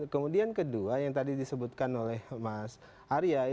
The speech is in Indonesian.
kemudian kedua yang tadi disebutkan oleh mas arya